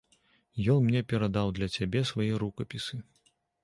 Ён мне перадаў для цябе свае рукапісы.